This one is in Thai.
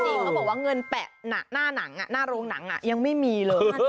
เขาบอกว่าเงินแปะหน้าหนังหน้าโรงหนังยังไม่มีเลย